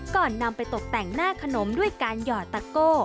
ก่อนนำไปตกแต่งหน้าขนมด้วยการหยอดตะโก้